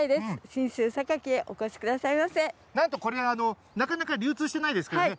信州、なんと、これ、なかなか流通してないですけどね。